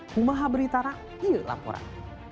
humaha berita rapi yuk laporan